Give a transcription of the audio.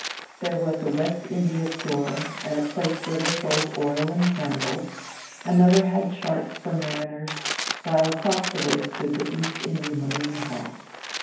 There was a West India store and a place where they sold oil and candles, another had charts for mariners; while across the way stood the East India Marine Hall.